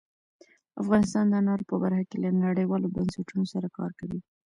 افغانستان د انارو په برخه کې له نړیوالو بنسټونو سره کار کوي.